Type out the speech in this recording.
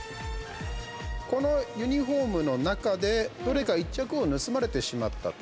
このユニフォームの中でどれか１着を盗まれてしまったと。